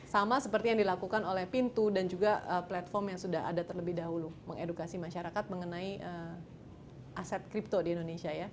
sama seperti yang dilakukan oleh pintu dan juga platform yang sudah ada terlebih dahulu mengedukasi masyarakat mengenai aset kripto di indonesia ya